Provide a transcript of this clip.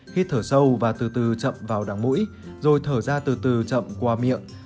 hít thở sâu và từ từ chậm vào đắng mũi rồi thở ra từ từ chậm qua miệng